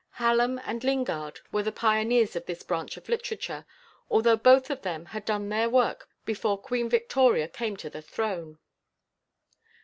Hallam and Lingard were the pioneers in this branch of literature, although both of them had done their work before Queen Victoria came to the throne.